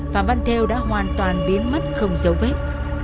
phạm văn thêu đã hoàn toàn biến mất không giấu vết